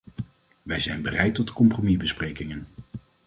Wij zijn bereid tot compromisbesprekingen.